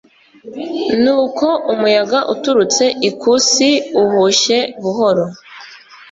Nuko umuyaga uturutse ikusi uhushye buhoro